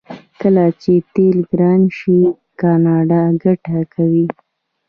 کله چې تیل ګران شي کاناډا ګټه کوي.